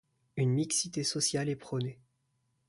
Une mixité sociale est prônée.